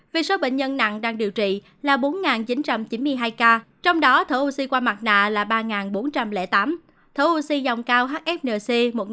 về số bệnh nhân nặng đang điều trị là bốn chín trăm chín mươi hai ca trong đó thở oxy qua mặt nạ là ba bốn trăm linh tám thở oxy dòng cao hfnc một trăm tám mươi